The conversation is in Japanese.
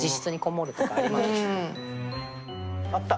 あった。